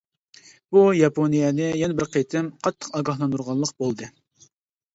بۇ ياپونىيەنى يەنە بىر قېتىم قاتتىق ئاگاھلاندۇرغانلىق بولدى.